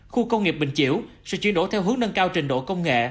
khu công nghiệp bình chiểu sẽ chuyển đổi theo hướng nâng cao trình độ công nghệ